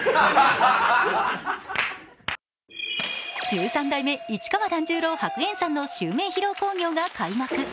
十三代目市川團十郎白猿さんの襲名披露興行が開幕。